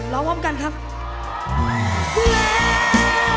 แล้วมันจะผ่านไปด้วยดี